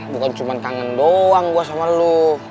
bukan cuma kangen doang gue sama lu